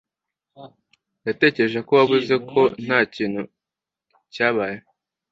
Natekereje ko wavuze ko ntakintu cyabaye.